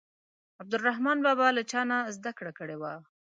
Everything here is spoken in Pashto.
عبدالرحمان بابا له چا نه زده کړه کړې وه.